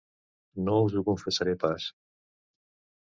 No us ho confessaré pas